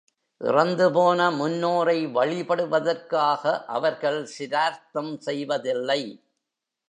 இறந்துபோன முன்னோரை வழிபடுவதற்காக அவர்கள் சிரார்த்தம் செய்வதில்லை.